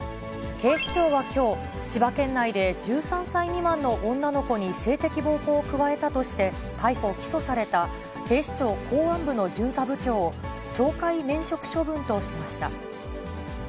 警視庁はきょう、千葉県内で１３歳未満の女の子に性的暴行を加えたとして、逮捕・起訴された警視庁公安部の巡査部長を、懲戒免職処分としました。